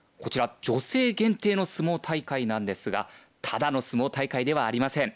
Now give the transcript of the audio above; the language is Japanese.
こちら、女性限定の相撲大会なんですがただの相撲大会ではありません。